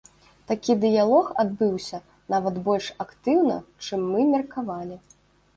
Такі дыялог адбыўся, нават больш актыўна, чым мы меркавалі.